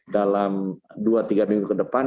dalam dua tiga minggu ke depan